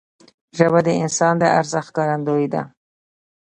ژبه د انسان د ارزښت ښکارندوی ده